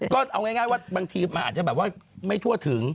ก็เอาง่ายว่าบางทีมันอาจจะแบบว่าไม่ทั่วถึง